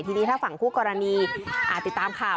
ทีนี้ถ้าฝั่งคู่กรณีติดตามข่าว